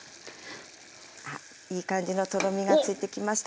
あっいい感じのとろみがついてきました。